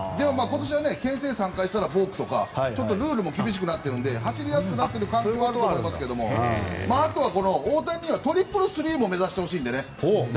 でも、今年はけん制を３回したらボークとかルールも厳しくなっているので走りやすくなっている感じはありますがあとは大谷にはトリプルスリーも目指してほしいのでね。